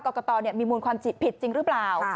กตมีมูลความผิดจริงหรือเปล่า